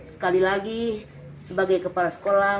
sekali lagi sebagai kepala sekolah